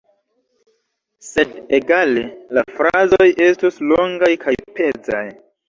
Sed egale, la frazoj estus longaj kaj pezaj.